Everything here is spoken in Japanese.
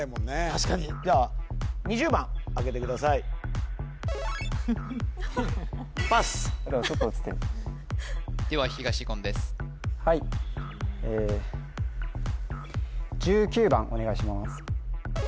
確かにじゃ２０番開けてくださいでもちょっと写ってるでは東言ですはいえ１９番お願いします